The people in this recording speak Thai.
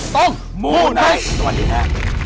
ตรงมูนัยสวัสดีค่ะ